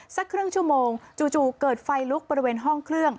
สักครึ่งชั่วโมงจู่เกิดไฟลุกบริเวณห้องเครื่อง